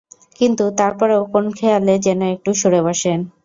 কিন্তু তারপরেও কোন খেয়ালে যেন একটু সরে বসেন।